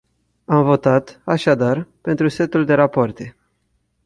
Am votat, așadar, pentru setul de rapoarte.